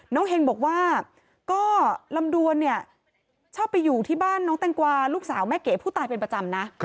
เฮงบอกว่าก็ลำดวนเนี่ยชอบไปอยู่ที่บ้านน้องแตงกวาลูกสาวแม่เก๋ผู้ตายเป็นประจำนะ